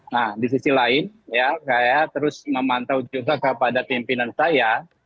nah di sisi lain ya saya terus memantau juga kepada pimpinan saya